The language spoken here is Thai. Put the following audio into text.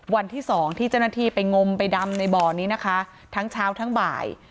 วันที่สองที่เจ้าหน้าที่ไปงมไปดำในบ่อนี้นะคะทั้งเช้าทั้งบ่าย